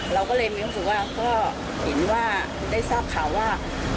เราก็เลยมีความรู้สึกว่าเพราะเห็นว่าได้ทราบข่าวว่า